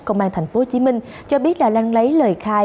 công an tp hcm cho biết là đang lấy lời khai